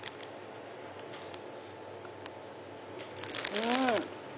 うん！